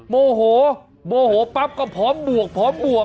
โมโหโมโหปั๊บก็พร้อมบวกพร้อมบวก